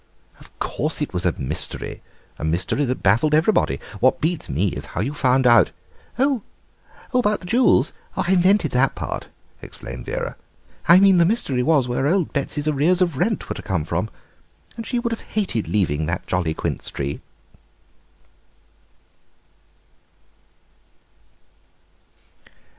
"Of course it was a mystery, a mystery that baffled everybody. What beats me is how you found out—" "Oh, about the jewels? I invented that part," explained Vera; "I mean the mystery was where old Betsy's arrears of rent were to come from; and she would have hated leaving that jolly quince tree."